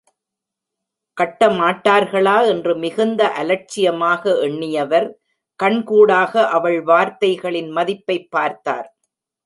கட்டமாட்டார்களா என்று மிகுந்த அலட்சியமாக எண்ணியவர், கண்கூடாக அவள் வார்த்தைகளின் மதிப்பைப் பார்த்தார்.